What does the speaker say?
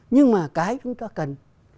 nhưng mà cái chúng ta cần